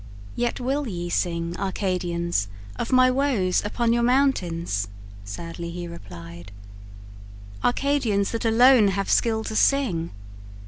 "Yet will ye sing, Arcadians, of my woes Upon your mountains," sadly he replied "Arcadians, that alone have skill to sing.